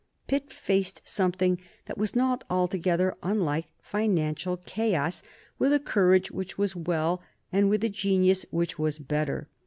Pitt faced something that was not altogether unlike financial chaos with a courage which was well and with a genius which was better.